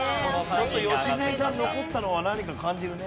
ちょっと良純さん残ったのは何か感じるね。